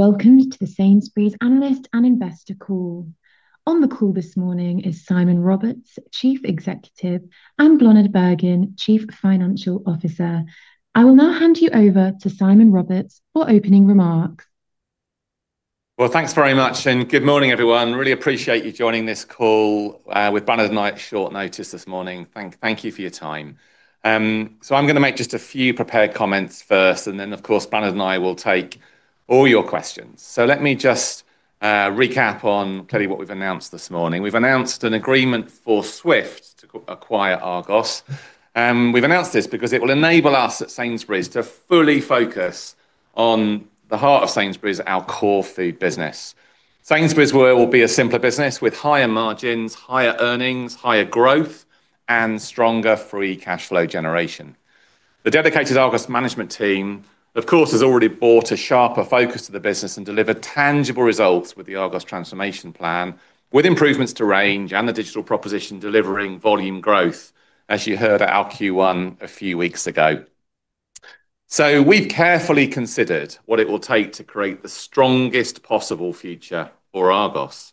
Welcome to the Sainsbury's analyst and investor call. On the call this morning is Simon Roberts, Chief Executive, and Bláthnaid Bergin, Chief Financial Officer. I will now hand you over to Simon Roberts for opening remarks. Thanks very much, good morning, everyone. Really appreciate you joining this call with Bláthnaid and I at short notice this morning. Thank you for your time. I'm going to make just a few prepared comments first, then, of course, Bláthnaid and I will take all your questions. Let me just recap on clearly what we've announced this morning. We've announced an agreement for Swift to acquire Argos. We've announced this because it will enable us at Sainsbury's to fully focus on the heart of Sainsbury's, our core food business. Sainsbury's will be a simpler business with higher margins, higher earnings, higher growth, and stronger free cash flow generation. The dedicated Argos management team, of course, has already brought a sharper focus to the business and delivered tangible results with the Argos transformation plan, with improvements to range and the digital proposition delivering volume growth, as you heard at our Q1 a few weeks ago. We've carefully considered what it will take to create the strongest possible future for Argos.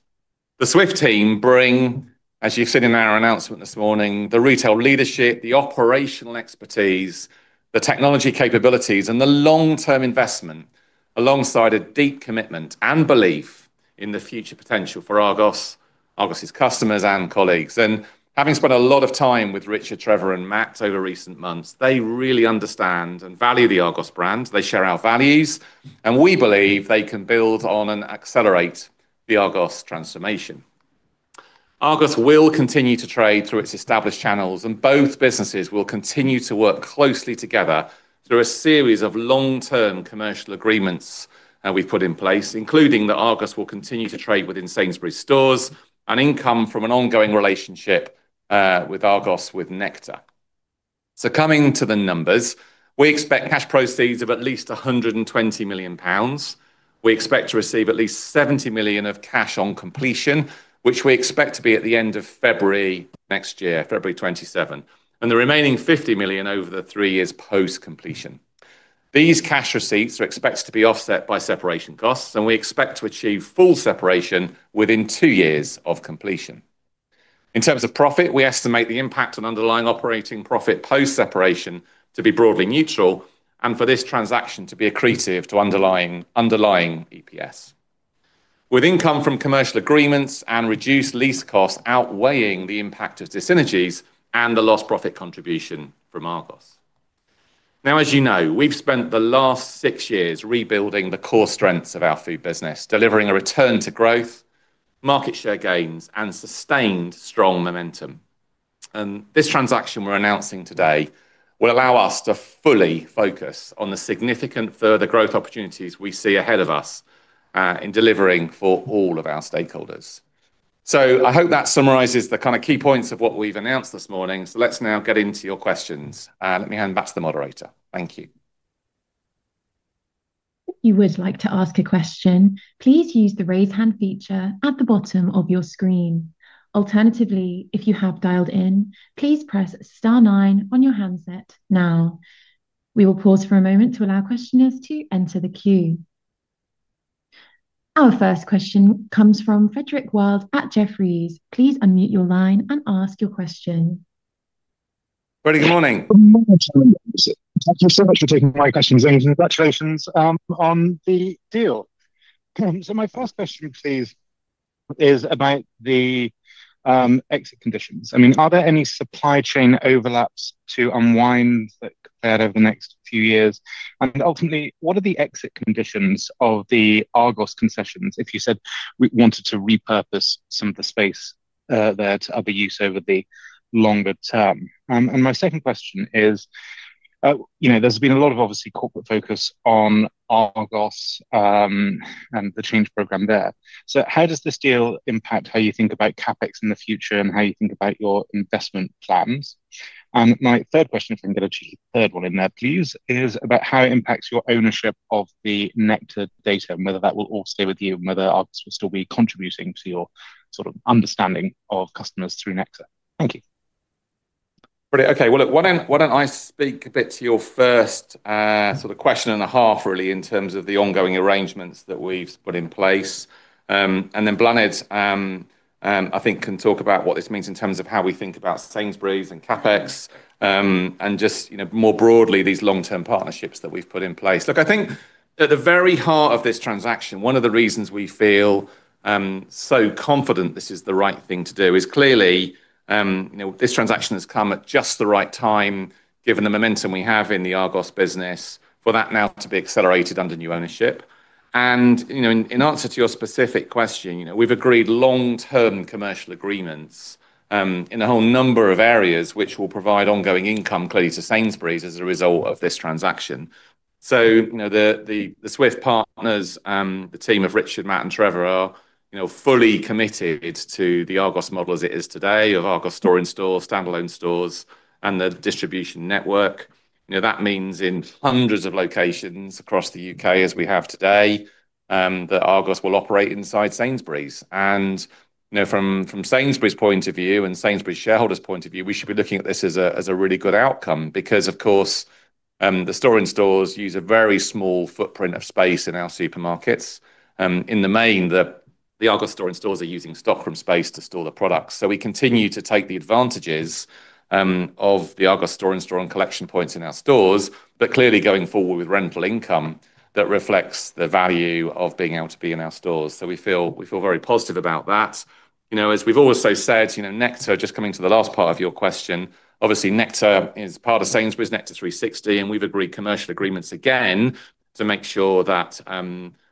The Swift team bring, as you've seen in our announcement this morning, the retail leadership, the operational expertise, the technology capabilities, and the long-term investment alongside a deep commitment and belief in the future potential for Argos's customers, and colleagues. Having spent a lot of time with Richard, Trevor, and Matt over recent months, they really understand and value the Argos brand. They share our values, and we believe they can build on and accelerate the Argos transformation. Argos will continue to trade through its established channels. Both businesses will continue to work closely together through a series of long-term commercial agreements that we've put in place, including that Argos will continue to trade within Sainsbury's stores and income from an ongoing relationship, with Argos, with Nectar. Coming to the numbers, we expect cash proceeds of at least 120 million pounds. We expect to receive at least 70 million of cash on completion, which we expect to be at the end of February next year, February 2027, and the remaining 50 million over the three years post-completion. These cash receipts are expected to be offset by separation costs. We expect to achieve full separation within two years of completion. In terms of profit, we estimate the impact on underlying operating profit post-separation to be broadly neutral and for this transaction to be accretive to underlying EPS. With income from commercial agreements and reduced lease costs outweighing the impact of diseconomies and the lost profit contribution from Argos. As you know, we've spent the last six years rebuilding the core strengths of our food business, delivering a return to growth, market share gains, and sustained strong momentum. This transaction we're announcing today will allow us to fully focus on the significant further growth opportunities we see ahead of us, in delivering for all of our stakeholders. I hope that summarizes the kind of key points of what we've announced this morning. Let's now get into your questions. Let me hand back to the moderator. Thank you. If you would like to ask a question, please use the raise hand feature at the bottom of your screen. Alternatively, if you have dialed in, please press star nine on your handset now. We will pause for a moment to allow questioners to enter the queue. Our first question comes from Frederick Wild at Jefferies. Please unmute your line and ask your question. Freddie, good morning. Good morning. Thank you so much for taking my questions. Congratulations on the deal. My first question, please, is about the exit conditions. Are there any supply chain overlaps to unwind that could play out over the next few years? Ultimately, what are the exit conditions of the Argos concessions if you said we wanted to repurpose some of the space there to other use over the longer term? My second question is, there's been a lot of obviously corporate focus on Argos, and the change program there. How does this deal impact how you think about CapEx in the future and how you think about your investment plans? My third question, if I can get a third one in there, please, is about how it impacts your ownership of the Nectar data and whether that will all stay with you, and whether Argos will still be contributing to your sort of understanding of customers through Nectar. Thank you. Brilliant. Okay. Well, look, why don't I speak a bit to your first sort of question and a half, really, in terms of the ongoing arrangements that we've put in place. Then Bláthnaid, I think can talk about what this means in terms of how we think about Sainsbury's and CapEx, and just more broadly, these long-term partnerships that we've put in place. Look, I think at the very heart of this transaction, one of the reasons we feel so confident this is the right thing to do is clearly, this transaction has come at just the right time given the momentum we have in the Argos business for that now to be accelerated under new ownership. In answer to your specific question, we've agreed long-term commercial agreements, in a whole number of areas which will provide ongoing income clearly to Sainsbury's as a result of this transaction. The Swift Partners, the team of Richard, Matt, and Trevor are fully committed to the Argos model as it is today of Argos store-in-store, standalone stores, and the distribution network. That means in hundreds of locations across the U.K. as we have today. That Argos will operate inside Sainsbury's. From Sainsbury's point of view and Sainsbury's shareholders point of view, we should be looking at this as a really good outcome because, of course, the store-in-stores use a very small footprint of space in our supermarkets. In the main, the Argos store-in-stores are using stockroom space to store the products. We continue to take the advantages of the Argos store-in-store and collection points in our stores, but clearly going forward with rental income that reflects the value of being able to be in our stores. We feel very positive about that. As we've also said, Nectar, just coming to the last part of your question, obviously, Nectar is part of Sainsbury's Nectar360, and we've agreed commercial agreements again to make sure that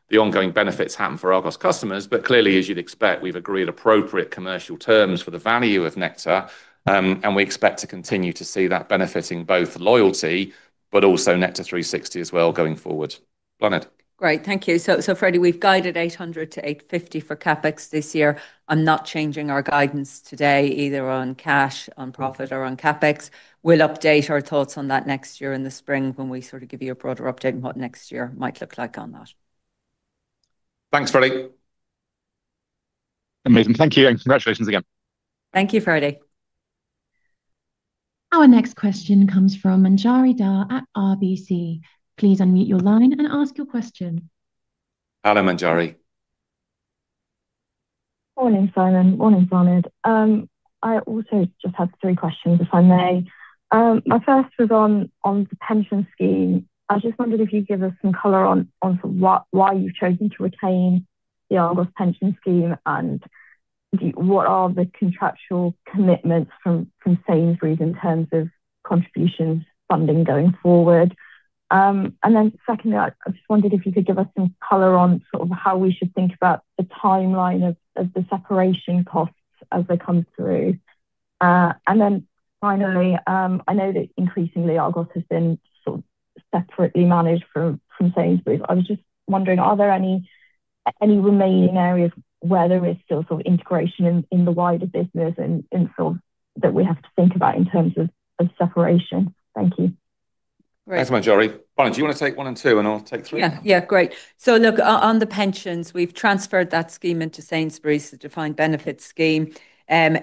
the ongoing benefits happen for Argos customers. Clearly, as you'd expect, we've agreed appropriate commercial terms for the value of Nectar, and we expect to continue to see that benefiting both loyalty, but also Nectar360 as well going forward. Bláthnaid. Great. Thank you. Freddie, we've guided 800 million-850 million for CapEx this year. I'm not changing our guidance today, either on cash, on profit, or on CapEx. We'll update our thoughts on that next year in the spring when we sort of give you a broader update on what next year might look like on that. Thanks, Freddie. Amazing. Thank you, and congratulations again. Thank you, Freddie. Our next question comes from Manjari Dhar at RBC. Please unmute your line and ask your question. Hello, Manjari. Morning, Simon. Morning, Bláthnaid. I also just have three questions, if I may. My first was on the pension scheme. I just wondered if you'd give us some color on why you've chosen to retain the Argos pension scheme, and what are the contractual commitments from Sainsbury's in terms of contributions funding going forward. Secondly, I just wondered if you could give us some color on sort of how we should think about the timeline of the separation costs as they come through. Finally, I know that increasingly Argos has been sort of separately managed from Sainsbury's. I was just wondering, are there any remaining areas where there is still sort of integration in the wider business and sort of that we have to think about in terms of separation? Thank you. Great. Thanks, Manjari. Bláthnaid, do you want to take one and two, and I'll take three? Yeah. Great. On the pensions, we've transferred that scheme into Sainsbury's, the defined benefit scheme. There's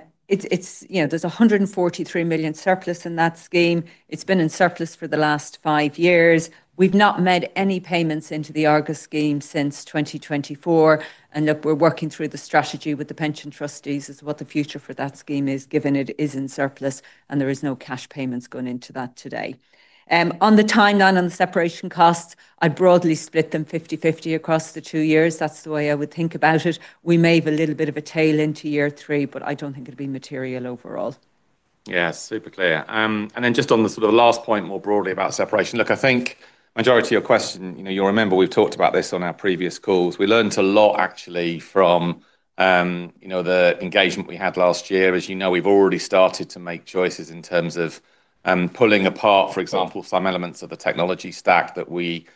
143 million surplus in that scheme. It's been in surplus for the last five years. We've not made any payments into the Argos scheme since 2024, and look, we're working through the strategy with the pension trustees as what the future for that scheme is, given it is in surplus and there is no cash payments going into that today. On the timeline on the separation costs, I broadly split them 50/50 across the two years. That's the way I would think about it. We may have a little bit of a tail into year three, but I don't think it'll be material overall. Yeah, super clear. Then just on the sort of last point, more broadly about separation, look, I think, Manjari, to your question, you'll remember we've talked about this on our previous calls. We learnt a lot actually from the engagement we had last year. As you know, we've already started to make choices in terms of pulling apart, for example, some elements of the technology stack that we've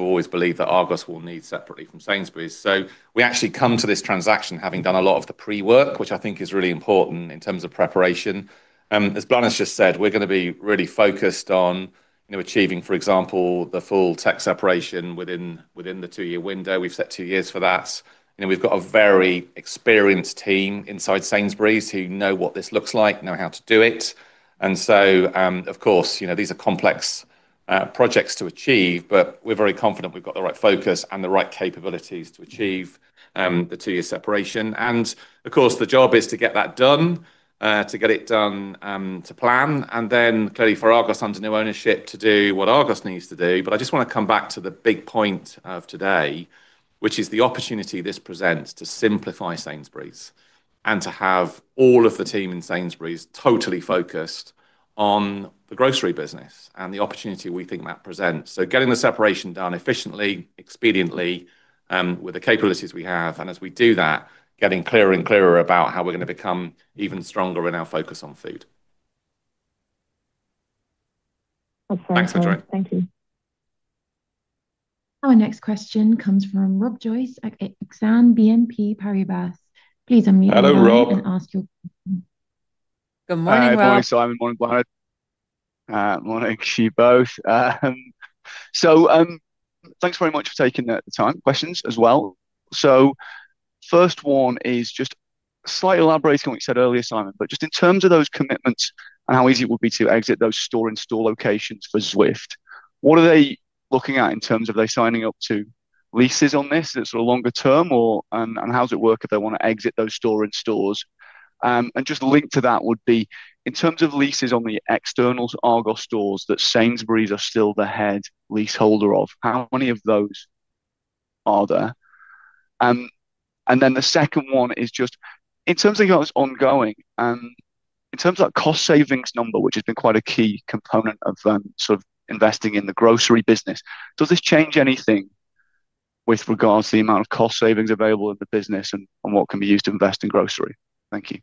always believed that Argos will need separately from Sainsbury's. We actually come to this transaction having done a lot of the pre-work, which I think is really important in terms of preparation. As Bláthnaid's just said, we're going to be really focused on achieving, for example, the full tech separation within the two-year window. We've set two years for that. We've got a very experienced team inside Sainsbury's who know what this looks like, know how to do it. Of course, these are complex projects to achieve, but we're very confident we've got the right focus and the right capabilities to achieve the two-year separation. Of course, the job is to get that done, to get it done to plan, and then clearly for Argos under new ownership to do what Argos needs to do. I just want to come back to the big point of today, which is the opportunity this presents to simplify Sainsbury's and to have all of the team in Sainsbury's totally focused on the grocery business and the opportunity we think that presents. Getting the separation done efficiently, expediently, with the capabilities we have, and as we do that, getting clearer and clearer about how we're going to become even stronger in our focus on food. That's very helpful. Thanks, Manjari. Thank you. Our next question comes from Rob Joyce at Exane BNP Paribas. Please unmute your line. Hello, Rob. Ask your question. Good morning, Rob. Hi, everybody. Simon. Morning, Bláthnaid. Morning to you both. Thanks very much for taking the time, questions as well. First one is just slightly elaborating on what you said earlier, Simon, but just in terms of those commitments and how easy it would be to exit those store-in-store locations for Swift, what are they looking at in terms of are they signing up to leases on this that are sort of longer term, and how does it work if they want to exit those store-in-stores? Just linked to that would be, in terms of leases on the external Argos stores that Sainsbury's are still the head lease holder of, how many of those are there? The second one is just, in terms of what's ongoing, in terms of that cost savings number, which has been quite a key component of sort of investing in the grocery business, does this change anything with regards to the amount of cost savings available in the business and what can be used to invest in grocery? Thank you.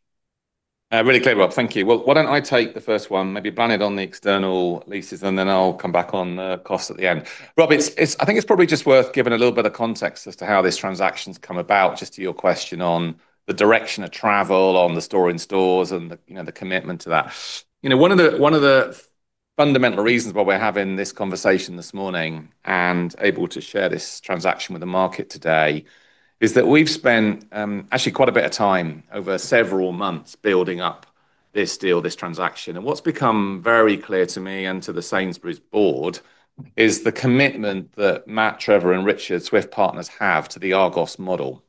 Really clear, Rob. Thank you. Why don't I take the first one, maybe Bláthnaid on the external leases, I'll come back on cost at the end. Rob, I think it's probably just worth giving a little bit of context as to how this transaction's come about, just to your question on the direction of travel on the store-in-stores and the commitment to that. Fundamental reasons why we're having this conversation this morning and able to share this transaction with the market today is that we've spent actually quite a bit of time over several months building up this deal, this transaction. What's become very clear to me and to the Sainsbury's board is the commitment that Matt, Trevor, and Richard, Swift Partners, have to the Argos model.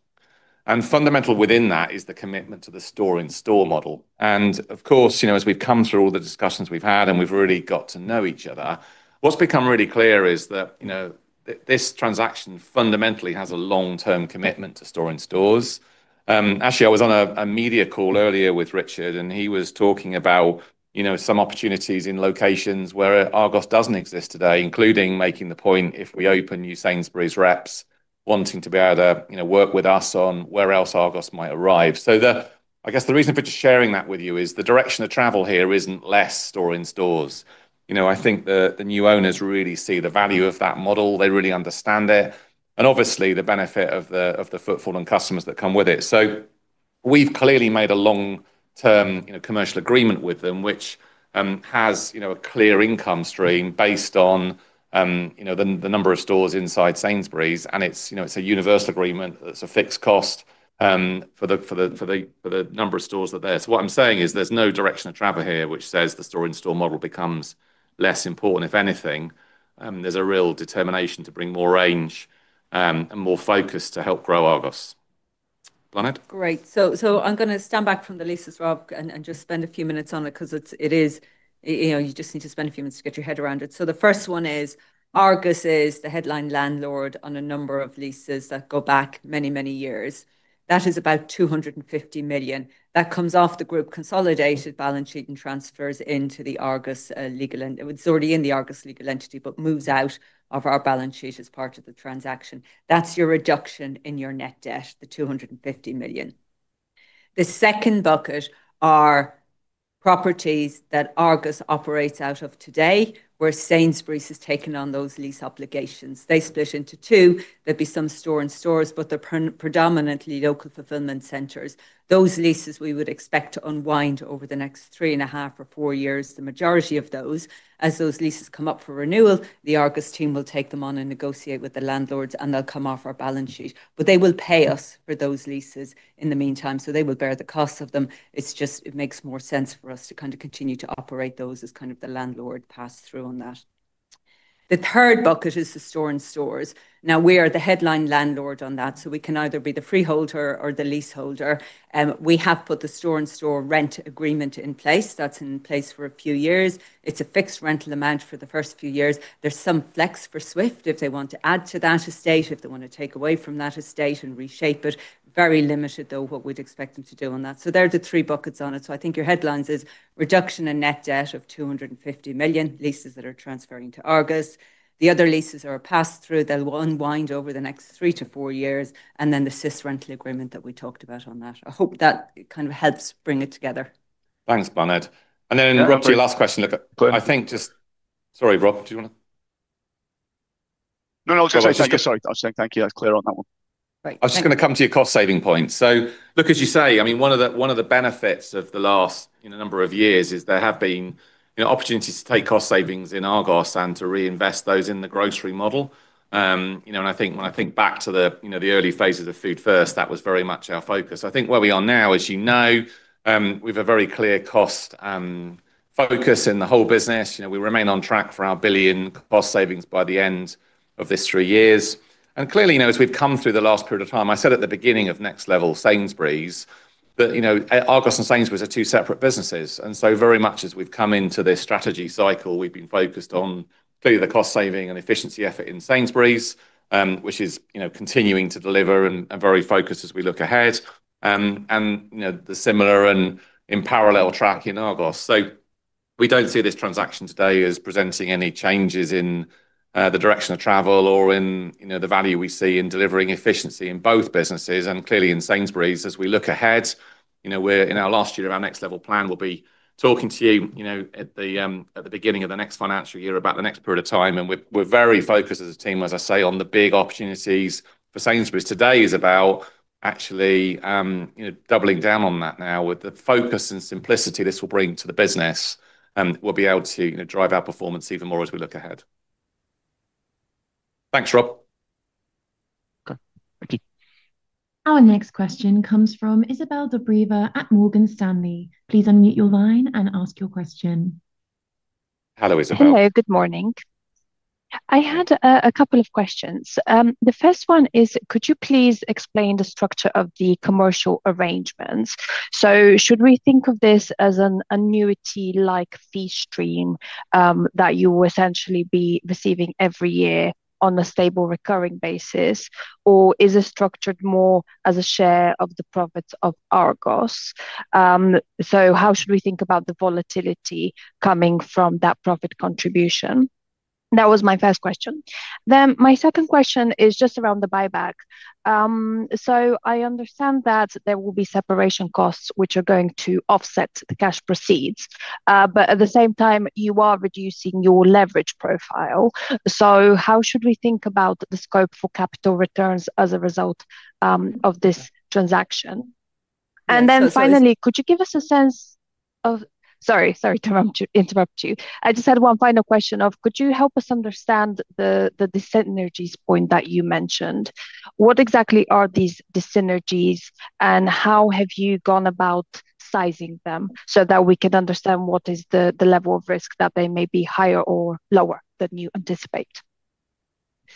Fundamental within that is the commitment to the store-in-store model. Of course, as we've come through all the discussions we've had, we've really got to know each other, what's become really clear is that this transaction fundamentally has a long-term commitment to store-in-stores. Actually, I was on a media call earlier with Richard, he was talking about some opportunities in locations where Argos doesn't exist today, including making the point if we open new Sainsbury's reps, wanting to be able to work with us on where else Argos might arrive. I guess the reason for just sharing that with you is the direction of travel here isn't less store-in-stores. I think the new owners really see the value of that model. They really understand it, obviously the benefit of the footfall and customers that come with it. We've clearly made a long-term commercial agreement with them, which has a clear income stream based on the number of stores inside Sainsbury's, it's a universal agreement. It's a fixed cost for the number of stores that are there. What I'm saying is there's no direction of travel here which says the store-in-store model becomes less important. If anything, there's a real determination to bring more range and more focus to help grow Argos. Bláthnaid? Great. I'm going to stand back from the leases, Rob, and just spend a few minutes on it because you just need to spend a few minutes to get your head around it. The first one is Argos is the headline landlord on a number of leases that go back many, many years. That is about 250 million. That comes off the group consolidated balance sheet and transfers into the Argos legal entity, but moves out of our balance sheet as part of the transaction. That's your reduction in your net debt, the 250 million. The second bucket are properties that Argos operates out of today, where Sainsbury's has taken on those lease obligations. They split into two. There'd be some store-in-stores, but they're predominantly local fulfillment centers. Those leases we would expect to unwind over the next three and a half or four years, the majority of those. As those leases come up for renewal, the Argos team will take them on and negotiate with the landlords, and they'll come off our balance sheet. They will pay us for those leases in the meantime, they will bear the cost of them. It makes more sense for us to kind of continue to operate those as kind of the landlord pass through on that. The third bucket is the store-in-stores. Now we are the headline landlord on that, we can either be the freeholder or the leaseholder. We have put the store-in-store rent agreement in place. That's in place for a few years. It's a fixed rental amount for the first few years. There's some flex for Swift if they want to add to that estate, if they want to take away from that estate and reshape it. Very limited, though, what we'd expect them to do on that. There are the three buckets on it. I think your headlines is reduction in net debt of 250 million leases that are transferring to Argos. The other leases are pass through. They'll unwind over the next three to four years. The SIS rental agreement that we talked about on that. I hope that kind of helps bring it together. Thanks, Bláthnaid. Rob, to your last question, look, Sorry, Rob, do you want to? No, no, I was going to say thank you. That's clear on that one. Great. Thank you. I was just going to come to your cost saving point. Look, as you say, one of the benefits of the last number of years is there have been opportunities to take cost savings in Argos and to reinvest those in the grocery model. When I think back to the early phases of Food First, that was very much our focus. I think where we are now, as you know, we've a very clear cost focus in the whole business. We remain on track for our 1 billion cost savings by the end of this three years. Clearly, as we've come through the last period of time, I said at the beginning of Next Level Sainsbury's, Argos and Sainsbury's are two separate businesses. Very much as we've come into this strategy cycle, we've been focused on clearly the cost saving and efficiency effort in Sainsbury's, which is continuing to deliver and very focused as we look ahead. The similar and in parallel track in Argos. We don't see this transaction today as presenting any changes in the direction of travel or in the value we see in delivering efficiency in both businesses and clearly in Sainsbury's. As we look ahead, we're in our last year of our Next Level plan. We'll be talking to you at the beginning of the next financial year about the next period of time, we're very focused as a team, as I say, on the big opportunities for Sainsbury's. Today is about actually doubling down on that now with the focus and simplicity this will bring to the business, and we'll be able to drive our performance even more as we look ahead. Thanks, Rob. Okay. Thank you. Our next question comes from Izabel Dobreva at Morgan Stanley. Please unmute your line and ask your question. Hello, Izabel. Hello. Good morning. I had a couple of questions. Could you please explain the structure of the commercial arrangements? Should we think of this as an annuity-like fee stream that you will essentially be receiving every year on a stable recurring basis, or is it structured more as a share of the profits of Argos? How should we think about the volatility coming from that profit contribution? That was my first question. My second question is just around the buyback. I understand that there will be separation costs, which are going to offset the cash proceeds, but at the same time, you are reducing your leverage profile. How should we think about the scope for capital returns as a result of this transaction? Finally, could you give us a sense of Sorry to interrupt you. I just had one final question of could you help us understand the dyssynergies point that you mentioned? What exactly are these dyssynergies, and how have you gone about sizing them so that we can understand what is the level of risk that they may be higher or lower than you anticipate?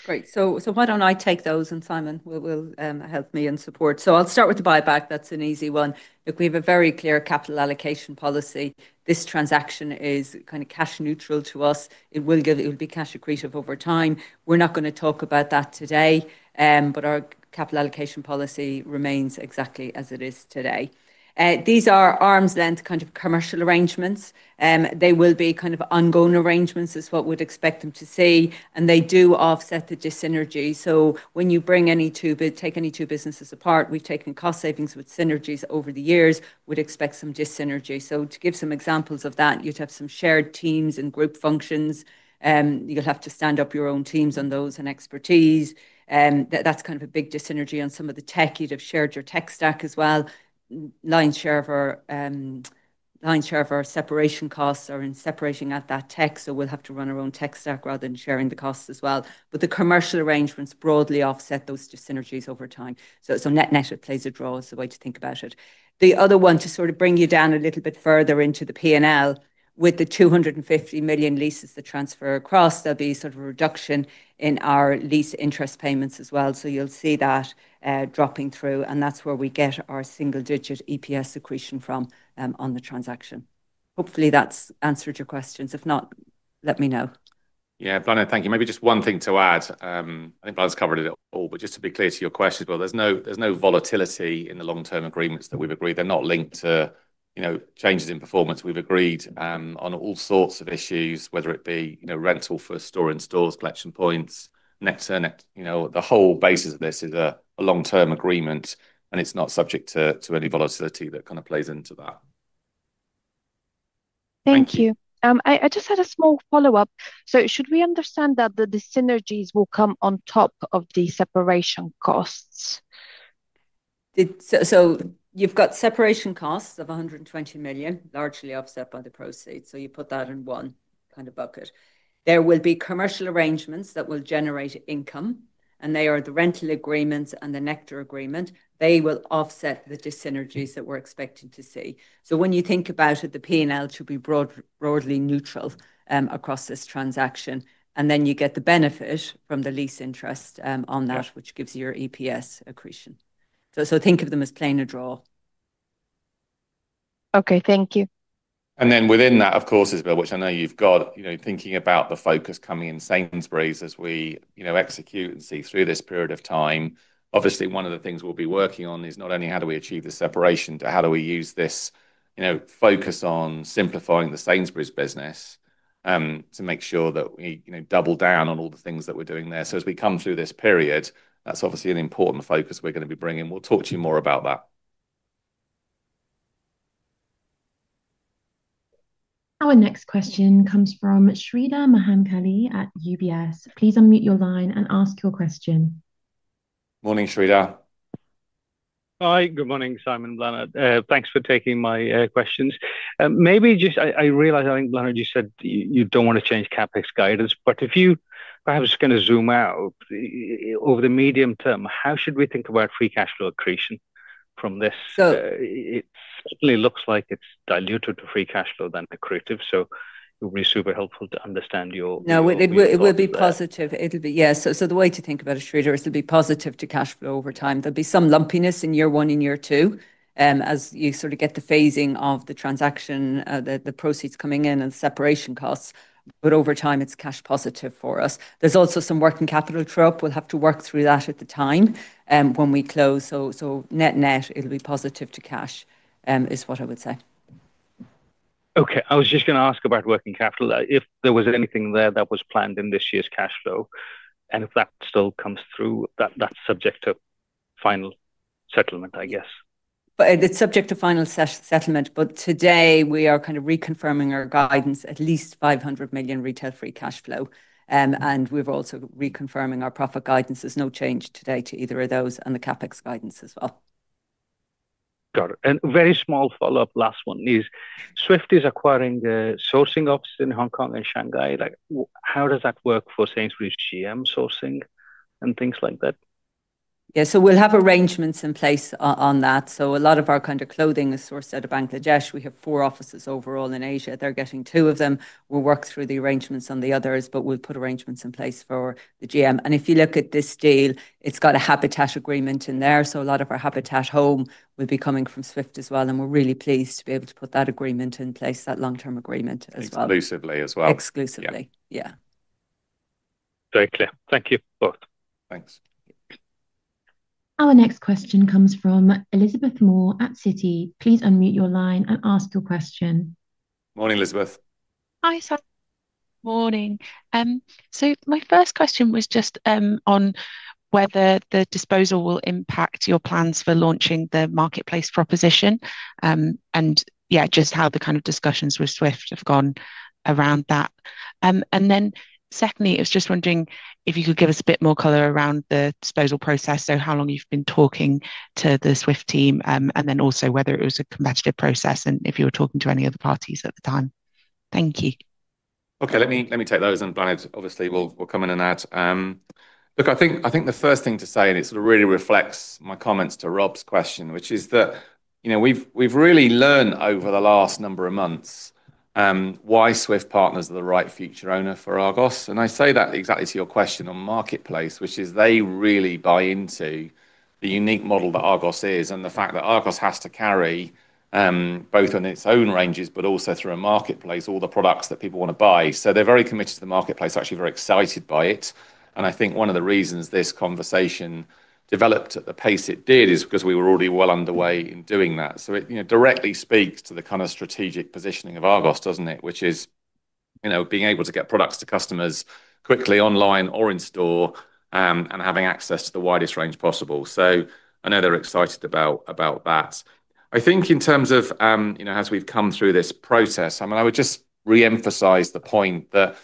Great. Why don't I take those, and Simon will help me and support. I'll start with the buyback. That's an easy one. Look, we have a very clear capital allocation policy. This transaction is kind of cash neutral to us. It will be cash accretive over time. We're not going to talk about that today, but our capital allocation policy remains exactly as it is today. These are arm's length, kind of commercial arrangements. They will be ongoing arrangements, is what we'd expect them to see, and they do offset the dyssynergy. When you bring any two, take any two businesses apart, we've taken cost savings with synergies over the years, we'd expect some dyssynergy. To give some examples of that, you'd have some shared teams and group functions. You'd have to stand up your own teams on those and expertise. That's kind of a big dyssynergy on some of the tech. You'd have shared your tech stack as well. Lion's share of our separation costs are in separating out that tech, so we'll have to run our own tech stack rather than sharing the costs as well. The commercial arrangements broadly offset those dyssynergies over time. Net-net, it plays a role, is the way to think about it. The other one, to sort of bring you down a little bit further into the P&L, with the 250 million leases that transfer across, there'll be sort of a reduction in our lease interest payments as well. You'll see that dropping through, and that's where we get our single-digit EPS accretion from, on the transaction. Hopefully that's answered your questions. If not, let me know. Yeah. Bláthnaid, thank you. Maybe just one thing to add. I think Bláthnaid's covered it all. Just to be clear to your question as well, there's no volatility in the long-term agreements that we've agreed. They're not linked to changes in performance. We've agreed, on all sorts of issues, whether it be rental for SIS, collection points, net-to-net. The whole basis of this is a long-term agreement. It's not subject to any volatility that kind of plays into that. Thank you. Thank you. I just had a small follow-up. Should we understand that the synergies will come on top of the separation costs? You've got separation costs of 120 million, largely offset by the proceeds. You put that in one kind of bucket. There will be commercial arrangements that will generate income, and they are the rental agreements and the Nectar agreement. They will offset the dyssynergies that we're expecting to see. When you think about it, the P&L to be broadly neutral across this transaction. You get the benefit from the lease interest on that, which gives your EPS accretion. Think of them as playing a draw. Okay. Thank you. Within that, of course, Izabel, which I know you've got, thinking about the focus coming in Sainsbury's as we execute and see through this period of time. Obviously, one of the things we'll be working on is not only how do we achieve the separation, but how do we use this focus on simplifying the Sainsbury's business, to make sure that we double down on all the things that we're doing there. As we come through this period, that's obviously an important focus we're going to be bringing. We'll talk to you more about that. Our next question comes from Sreedhar Mahamkali at UBS. Please unmute your line and ask your question. Morning, Sreedhar. Hi. Good morning, Simon, Bláthnaid. Thanks for taking my questions. I realize, I think, Bláthnaid, you said you don't want to change CapEx guidance, if you perhaps are going to zoom out, over the medium term, how should we think about free cash flow accretion from this? So- It certainly looks like it's diluted to free cash flow than accretive, it would be super helpful to understand your thought there. No, it will be positive. It'll be, yeah. The way to think about it, Sreedhar, is it'll be positive to cash flow over time. There'll be some lumpiness in year one and year two, as you sort of get the phasing of the transaction, the proceeds coming in and separation costs. Over time, it's cash positive for us. There's also some working capital trap. We'll have to work through that at the time, when we close. Net-net, it'll be positive to cash, is what I would say. Okay. I was just going to ask about working capital, if there was anything there that was planned in this year's cash flow, and if that still comes through that's subject to final settlement, I guess. It's subject to final settlement. Today we are kind of reconfirming our guidance at least 500 million retail free cash flow. We're also reconfirming our profit guidance. There's no change today to either of those, and the CapEx guidance as well. Got it. Very small follow-up, last one is, Swift is acquiring the sourcing office in Hong Kong and Shanghai. How does that work for Sainsbury's GM sourcing and things like that? Yeah. We'll have arrangements in place on that. A lot of our kind of clothing is sourced out of Bangladesh. We have four offices overall in Asia. They're getting two of them. We'll work through the arrangements on the others, but we'll put arrangements in place for the GM. If you look at this deal, it's got a Habitat agreement in there. A lot of our Habitat home will be coming from Swift as well, and we're really pleased to be able to put that agreement in place, that long-term agreement as well. Exclusively as well. Exclusively. Yeah. Yeah. Very clear. Thank you both. Thanks. Our next question comes from Elizabeth Moore at Citi. Please unmute your line and ask your question. Morning, Elizabeth. Hi, Simon. Morning. My first question was just on whether the disposal will impact your plans for launching the marketplace proposition. Yeah, just how the kind of discussions with Swift have gone around that. Secondly, I was just wondering if you could give us a bit more color around the disposal process. How long you've been talking to the Swift team, and then also whether it was a competitive process, and if you were talking to any other parties at the time. Thank you. Okay, let me take those, Bláthnaid, obviously, will come in and add. I think the first thing to say, it sort of really reflects my comments to Rob's question, which is that we've really learned over the last number of months why Swift Partners are the right future owner for Argos. I say that exactly to your question on marketplace, which is they really buy into the unique model that Argos is, and the fact that Argos has to carry both on its own ranges, but also through a marketplace, all the products that people want to buy. They're very committed to the marketplace, actually very excited by it. I think one of the reasons this conversation developed at the pace it did is because we were already well underway in doing that. It directly speaks to the kind of strategic positioning of Argos, doesn't it? Which is being able to get products to customers quickly online or in store, and having access to the widest range possible. I know they're excited about that. I think in terms of as we've come through this process, I would just re-emphasize the point that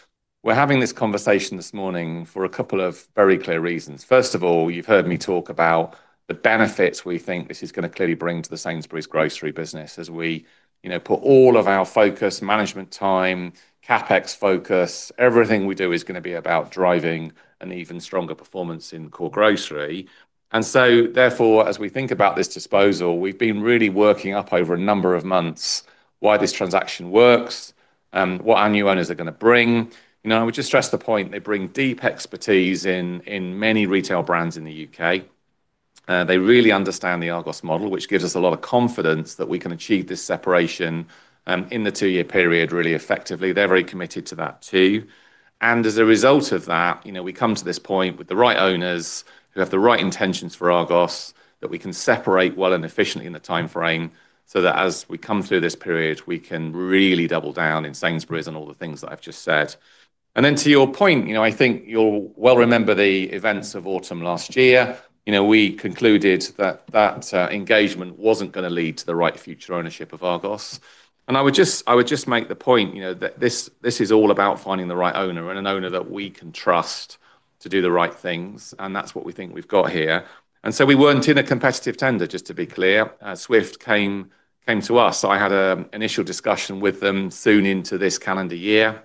we're having this conversation this morning for a couple of very clear reasons. First of all, you've heard me talk about the benefits we think this is going to clearly bring to the Sainsbury's grocery business as we put all of our focus, management time, CapEx focus, everything we do is going to be about driving an even stronger performance in core grocery. As we think about this disposal, we've been really working up over a number of months why this transaction works and what our new owners are going to bring. I would just stress the point, they bring deep expertise in many retail brands in the U.K. They really understand the Argos model, which gives us a lot of confidence that we can achieve this separation in the two-year period really effectively. They're very committed to that too. As a result of that, we come to this point with the right owners who have the right intentions for Argos, that we can separate well and efficiently in the timeframe, so that as we come through this period, we can really double down in Sainsbury's on all the things that I've just said. To your point, I think you'll well remember the events of autumn last year. We concluded that that engagement wasn't going to lead to the right future ownership of Argos. I would just make the point, that this is all about finding the right owner and an owner that we can trust to do the right things, and that's what we think we've got here. We weren't in a competitive tender, just to be clear. Swift came to us. I had an initial discussion with them soon into this calendar year.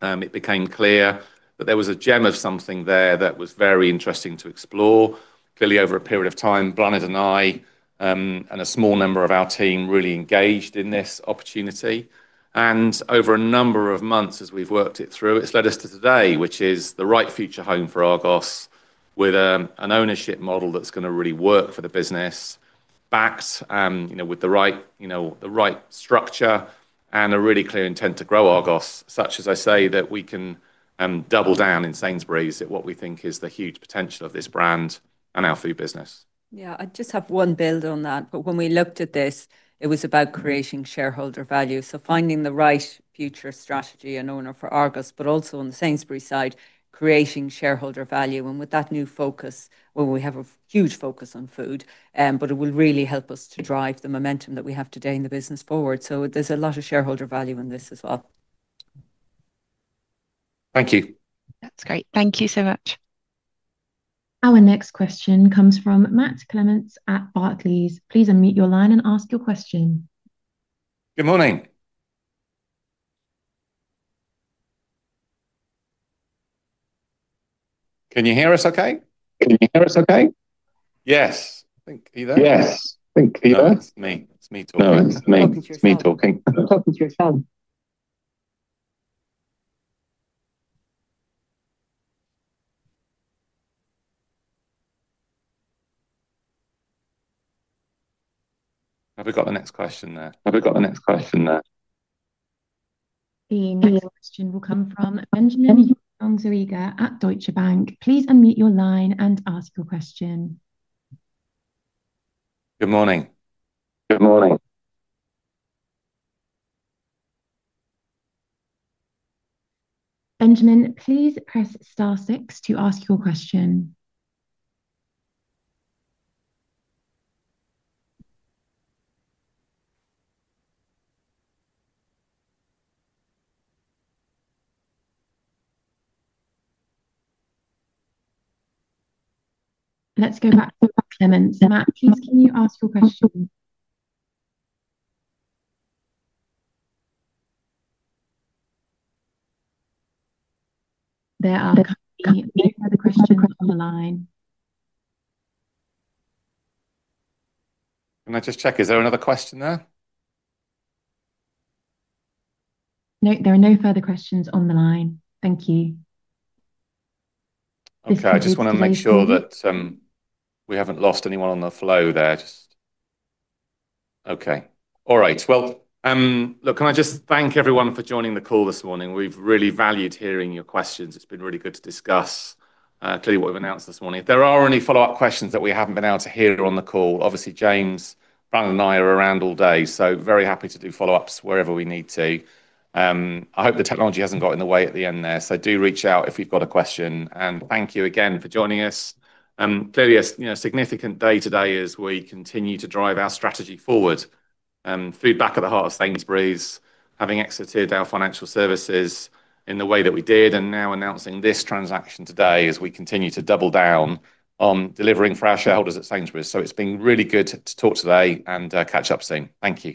It became clear that there was a gem of something there that was very interesting to explore. Clearly, over a period of time, Bláthnaid and I, and a small number of our team really engaged in this opportunity. Over a number of months, as we've worked it through, it's led us to today, which is the right future home for Argos with an ownership model that's going to really work for the business, backed with the right structure, and a really clear intent to grow Argos, such as I say, that we can double down in Sainsbury's at what we think is the huge potential of this brand and our food business. I just have one build on that. When we looked at this, it was about creating shareholder value. Finding the right future strategy and owner for Argos, but also on the Sainsbury's side, creating shareholder value. With that new focus, well, we have a huge focus on food, but it will really help us to drive the momentum that we have today in the business forward. There's a lot of shareholder value in this as well. Thank you. That's great. Thank you so much. Our next question comes from Matt Clements at Barclays. Please unmute your line and ask your question. Good morning. Can you hear us okay? Yes. I think, can you hear? No, it's me. It's me talking. You're talking to yourself. Have we got the next question there? The next question will come from Benjamin Yokyong-Zoega at Deutsche Bank. Please unmute your line and ask your question. Good morning. Good morning. Benjamin, please press star six to ask your question. Let's go back to Matt Clements. Matt, please can you ask your question? There are no further questions on the line. Can I just check, is there another question there? No, there are no further questions on the line. Thank you. This concludes. I just want to make sure that we haven't lost anyone on the flow there. Can I just thank everyone for joining the call this morning. We've really valued hearing your questions. It's been really good to discuss clearly what we've announced this morning. If there are any follow-up questions that we haven't been able to hear on the call, obviously James, Bláthnaid, and I are around all day, so very happy to do follow-ups wherever we need to. I hope the technology hasn't got in the way at the end there. Do reach out if you've got a question. Thank you again for joining us. Clearly, a significant day today as we continue to drive our strategy forward, food back at the heart of Sainsbury's, having exited our financial services in the way that we did, and now announcing this transaction today as we continue to double down on delivering for our shareholders at Sainsbury's. It's been really good to talk today and catch up soon. Thank you.